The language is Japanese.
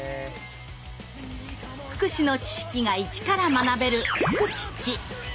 福祉の知識がイチから学べる「フクチッチ」。